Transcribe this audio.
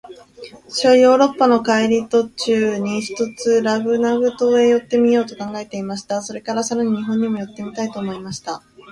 私はヨーロッパへの帰り途に、ひとつラグナグ島へ寄ってみようと考えていました。それから、さらに日本へも寄ってみたいと思いました。